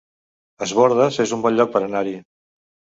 Es Bòrdes es un bon lloc per anar-hi